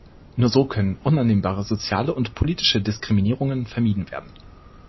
Nur so können unannehmbare soziale und politische Diskriminierungen vermieden werden.